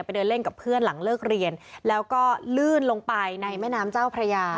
เดินเล่นกับเพื่อนหลังเลิกเรียนแล้วก็ลื่นลงไปในแม่น้ำเจ้าพระยา